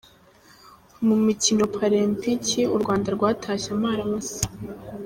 Mu mikino Paralempiki u Rwanda rwatashye amara masa